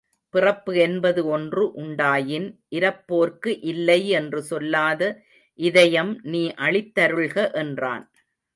பிறப்பு என்பது ஒன்று உண்டாயின் இரப்போர்க்கு இல்லை என்று சொல்லாத இதயம் நீ அளித்தருள்க என்றான்.